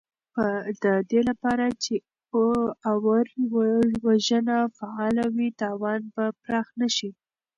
د دې لپاره چې اور وژنه فعاله وي، تاوان به پراخ نه شي.